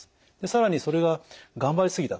更にそれが頑張り過ぎた。